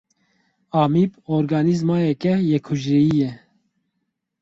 Amîb organîzmayeke yek hucreyî ye.